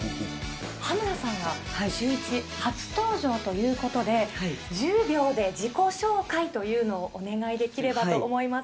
羽村さんがシューイチ初登場ということで、１０秒で自己紹介というのをお願いできればと思います。